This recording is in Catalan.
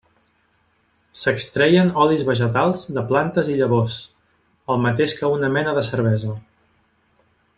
S'extreien olis vegetals de plantes i llavors, el mateix que una mena de cervesa.